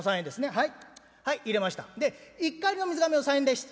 はい。